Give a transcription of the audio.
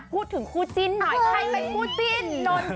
พูดถึงคู่จิ้นหน่อยใครเป็นคู่จิ้น